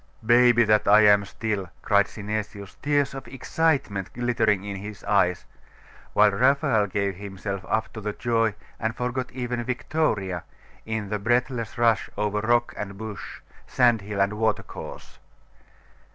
'Baby that I am still!' cried Synesius, tears of excitement glittering in his eyes;.... while Raphael gave himself up to the joy, and forgot even Victoria, in the breathless rush over rock and bush, sandhill and watercourse.